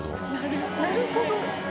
「なるほど」？